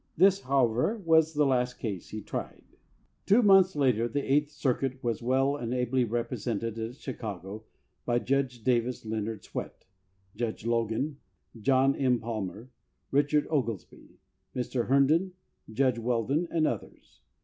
This, however, was the last case he tried. 1 Two months later the Eighth Circuit was well and ably represented at Chicago by Judge Davis, Leonard Swett, Judge Logan, John M. Palmer, Richard Oglesby, Mr. Herndon, Judge Weldon, and others.